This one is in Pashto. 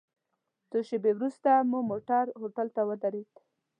څو شېبې وروسته مو موټر هوټل ته ودرید.